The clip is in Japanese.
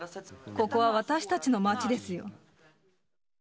ここは私たちの街ですよ。